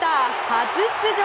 初出場